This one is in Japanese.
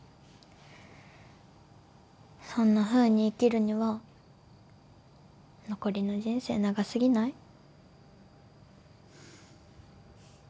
そんなふうに生きるには残りの人生長すぎない？